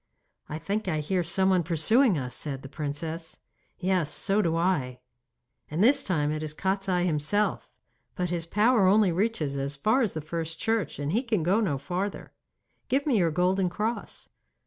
'I think I hear someone pursuing us,' said the princess 'Yes, so do I.' 'And this time it is Kostiei himself. But his power only reaches as far as the first church, and he can go no farther. Give me your golden cross.